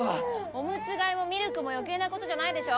おむつ替えもミルクもよけいなことじゃないでしょ！